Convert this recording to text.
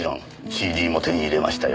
ＣＤも手に入れましたよ。